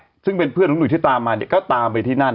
ดูเดียวเพื่อนหนุ่ยที่ตามมาเนี่ยก็ตามไปที่นั่น